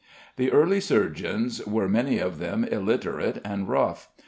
The early surgeons were many of them illiterate and rough.